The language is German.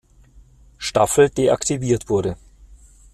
Staffel deaktiviert wurde.